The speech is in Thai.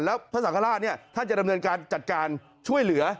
แล้วพระสังฆราชท่านจะดำเนินการจัดการช่วยเหลือ